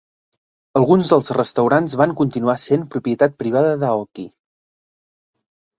Alguns dels restaurants van continuar sent propietat privada d'Aoki.